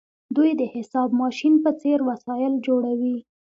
دوی د حساب ماشین په څیر وسایل جوړوي.